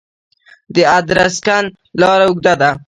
د ادرسکن لاره اوږده ده